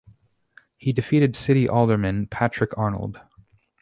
He defeated city alderman Patrick Arnold.